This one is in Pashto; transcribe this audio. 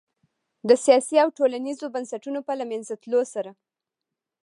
د سیاسي او ټولنیزو بنسټونو په له منځه تلو سره